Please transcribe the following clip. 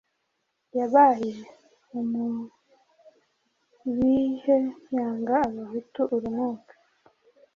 yabaye umubihe yanga Abahutu urunuka